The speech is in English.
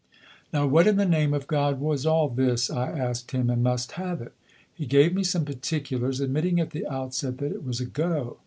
Now, what in the name of God was all this? I asked him, and must have it. He gave me some particulars, admitting at the outset that it was a "go."